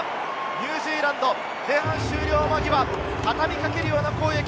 ニュージーランド、前半終了間際、畳みかけるような攻撃！